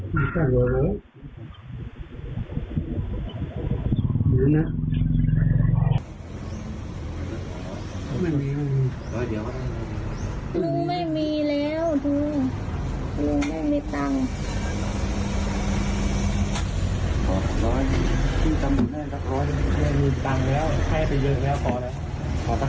หรือว่าเงินเงินตังค์แล้วให้ไปเยอะแล้วพอนะขอแปลง๕๐กว่าได้